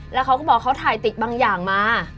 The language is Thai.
แล้วเขาก็บอกเขาถ่ายติดบางอย่างมา